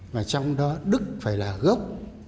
mà trong đó đức phải là gốc